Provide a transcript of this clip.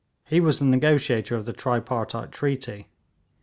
He was the negotiator of the tripartite treaty.